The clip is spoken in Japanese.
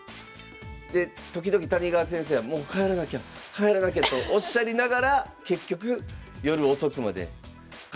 で時々谷川先生は「もう帰らなきゃ帰らなきゃ」とおっしゃりながら結局夜遅くまでカジノにいたそうです。